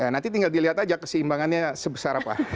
nanti tinggal dilihat aja keseimbangannya sebesar apa